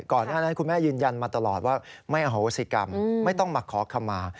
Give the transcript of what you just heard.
ก่อนหน้านั้นคุณแม่ยืนยันมาตลอดว่าไม่อโหสิกรรมไม่ต้องมาขอคำมา